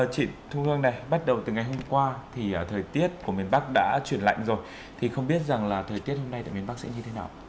chị thu hương này bắt đầu từ ngày hôm qua thì thời tiết của miền bắc đã chuyển lạnh rồi thì không biết rằng là thời tiết hôm nay tại miền bắc sẽ như thế nào